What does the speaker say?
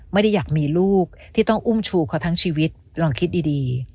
ไม่ได้อยากมีลูกที่ต้องอุ้มชูเขาทั้งชีวิตลองคิดดี